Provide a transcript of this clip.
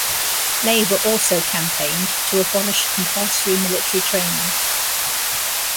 Labour also campaigned to abolish compulsory military training.